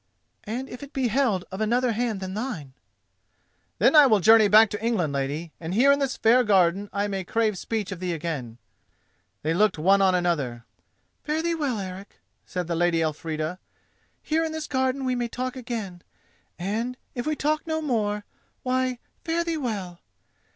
"And if it be held of another hand than thine?" "Then I will journey back to England, lady, and here in this fair garden I may crave speech of thee again." They looked one on another. "Fare thee well, Eric!" said the Lady Elfrida. "Here in this garden we may talk again; and, if we talk no more—why, fare thee well!